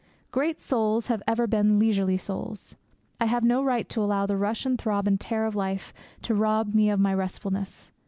Great souls have ever been leisurely souls. I have no right to allow the rush and throb and tear of life to rob me of my restfulness.